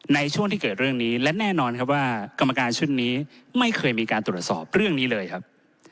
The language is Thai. ในช่วงที่เกิดเรื่องนี้และแน่นอนครับว่ากรรมการชุดนี้ไม่เคยมีการตรวจสอบเรื่องนี้เลยครับ